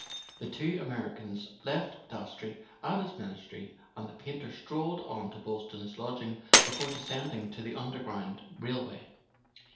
The two Americans left Dastrey at his Ministry, and the painter strolled on to Boylston's lodging before descending to the underground railway.